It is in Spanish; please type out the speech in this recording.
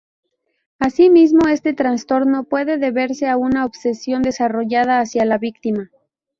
Asimismo, este trastorno puede deberse a una obsesión desarrollada hacia la víctima.